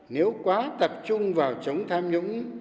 nếu quá tập trung vào chống tham nhũng